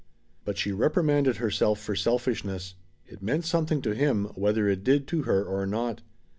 But she reprimanded herself for selfishness. It meant something to him, whether it did to her or not.